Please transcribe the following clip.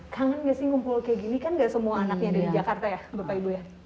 kangen gak sih ngumpul kayak gini kan gak semua anaknya dari jakarta ya bapak ibu ya